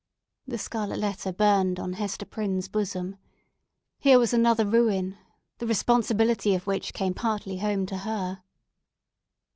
The scarlet letter burned on Hester Prynne's bosom. Here was another ruin, the responsibility of which came partly home to her.